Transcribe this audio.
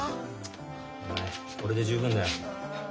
はいこれで十分だよ。